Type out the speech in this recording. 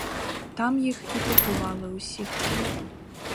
Там їх і поховали усіх.